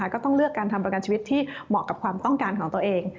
ก็ต้องเลือกการทำประกันชีวิตที่เหมาะกับความต้องการของตัวเอง